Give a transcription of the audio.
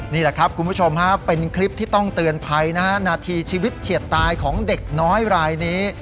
นี่แหละครับคุณผู้ชมฮะเป็นคลิปที่ต้องเตือนภัยนะฮะนาทีชีวิตเฉียดตายของเด็กน้อยรายนี้